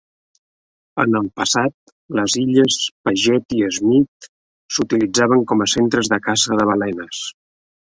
En el passat, les illes Paget i Smith s'utilitzaven com a centres de caça de balenes.